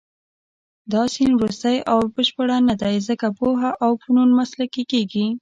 دا سیند وروستۍ او بشپړه نه دی، ځکه پوهه او فنون مسلکي کېږي.